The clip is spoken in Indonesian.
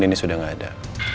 deni sudah gak ada